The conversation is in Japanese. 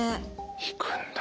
行くんだ。